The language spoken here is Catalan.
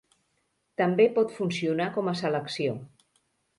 També pot funcionar com a selecció.